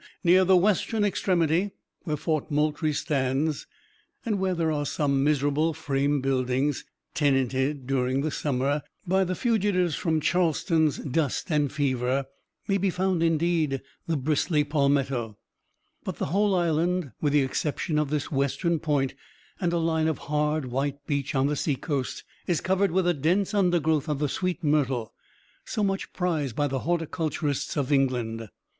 Near the western extremity, where Fort Moultrie stands, and where are some miserable frame buildings, tenanted, during the summer, by the fugitives from Charleston dust and fever, may be found, indeed, the bristly palmetto; but the whole island, with the exception of this western point, and a line of hard, white beach on the seacoast, is covered with a dense undergrowth of the sweet myrtle so much prized by the horticulturists of England.